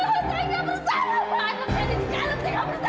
saya tidak bersalah